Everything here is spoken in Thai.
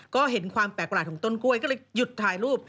ก็เห็นความแปลกประหลาดของต้นกล้วยก็เลยหยุดถ่ายรูป